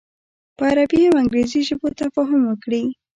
په عربي او انګریزي ژبو تفاهم وکړي.